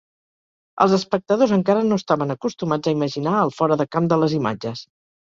Els espectadors encara no estaven acostumats a imaginar el fora de camp de les imatges.